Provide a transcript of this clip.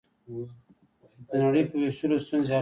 خو د نړۍ په وېشلو ستونزې حل نه شوې